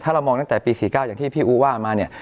ถ้าเรามองตั้งแต่ปี๔๙อย่างที่พี่อูว่ามาเนี่ย